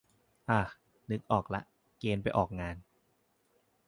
อ่อ นึกออกละ เกณฑ์ไปออกงาน